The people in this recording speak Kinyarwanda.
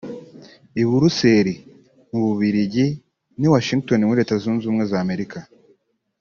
i Buruseli mu Bubiligi n’i Washington muri Leta Zunze Ubumwe za Amerika